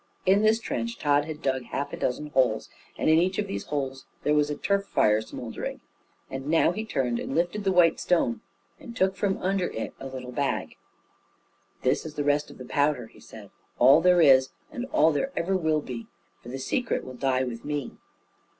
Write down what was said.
In this trench Tod had dug half a dozen holes, and in each of these holes there was a turf fire smouldering; and now he turned and lifted the white stone, and took from under it a little bag. "This is the rest of the powder," he said, "all there is, and all there ever will be, for the secret will die with me."